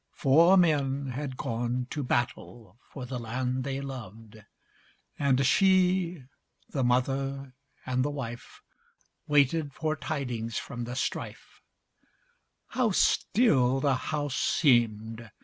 Four men had gone To battle for the land they loved, And she, the mother and the wife, Waited for tidings from the strife. How still the house seemed!